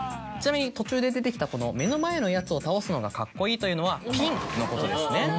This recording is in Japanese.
ちなみに途中で出てきたこの「目の前のヤツを倒すのがカッコいい」というのはピンのことですね。